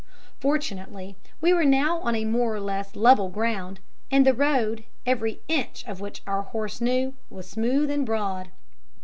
Fortunately we were now on a more or less level ground, and the road, every inch of which our horse knew, was smooth and broad.